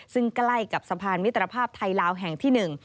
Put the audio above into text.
ซึ่งใกล้กับสะพานมิตรภาพไทยลาวแห่งที่หนึ่ง